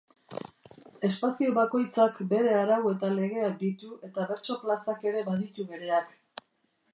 Espazio bakoitzak bere arau eta legeak ditu eta bertso-plazak ere baditu bereak.